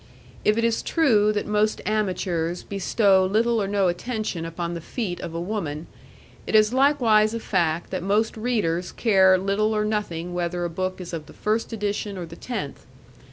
If it is true that most amateurs bestow little or no attention upon the feet of a woman, it is likewise a fact that most readers care little or nothing whether a book is of the first edition or the tenth.